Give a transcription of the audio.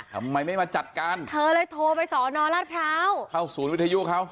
ทำไมไม่มาจัดการเธอเลยโทรไปสอนอราชพร้าวเข้าศูนย์วิทยุเขา